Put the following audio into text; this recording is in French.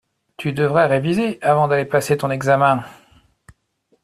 Tu devrais réviser avant d'aller passer ton examen!